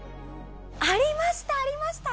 ありました、ありました！